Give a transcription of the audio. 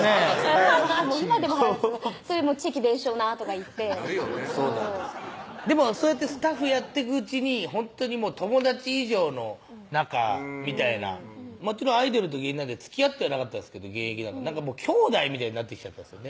もう今でも腹立つ「チェキ弁償な」とか言ってなるよでもそうやってスタッフやってくうちにほんとに友達以上の仲みたいなもちろんアイドルと芸人なんでつきあってはなかったですけどきょうだいみたいになってきちゃったんですよね